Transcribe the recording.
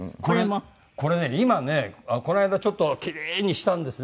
これね今ねこの間ちょっとキレイにしたんですね。